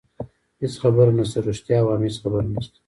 هېڅ خبره نشته، رښتیا وایم هېڅ خبره نشته.